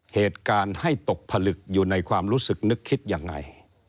เหตุการณ์ให้ตกผลึกอยู่ในความรู้สึกนึกคิดยังไง